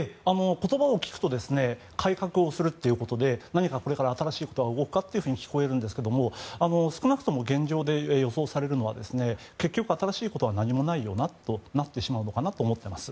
言葉を聞くと改革をするということで何かこれから新しいことが動くように聞こえるんですが少なくとも現状で予想されるのは結局、新しいものは何もないよなとなってしまうのかと思っています。